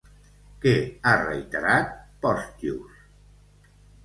Què ha reiterat Postius?